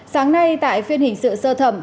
sáng nay tại phiên hình sự sơ thẩm